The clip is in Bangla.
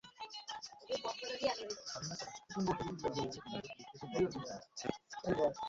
ধারণা করা হচ্ছে, ছবিটি তোলা হয়েছে রোনালদো জুরিখ থেকে মাদ্রিদে ফেরার পথে।